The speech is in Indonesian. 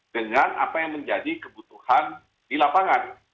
dengan apa yang menjadi kebutuhan di lapangan